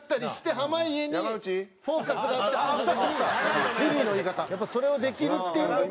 山内：やっぱり、それをできるっていうのが。